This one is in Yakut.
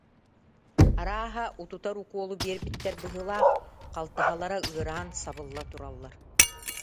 Арааһа, утутар укуолу биэрбиттэр быһыылаах, халтаһалара ыараан са- былла тураллар